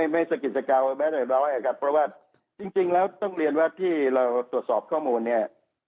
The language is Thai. ไม่สกิจกรรมแม้แต่น้อยครับเพราะว่าจริงแล้วต้องเรียนว่าที่เราตรวจสอบข้อมูลเนี่ย